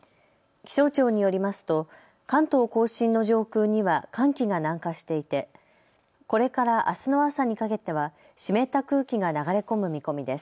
気象庁によりますと関東甲信の上空には寒気が南下していてこれからあすの朝にかけては湿った空気が流れ込む見込みです。